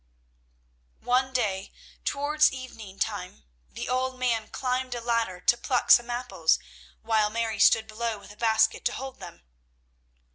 One day towards evening time the old man climbed a ladder to pluck some apples, while Mary stood below with a basket to hold them.